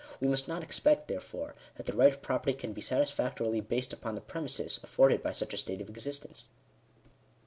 We must not expect, therefore, that the right of property can be satisfactorily based upon the premises afforded by such a state of existence.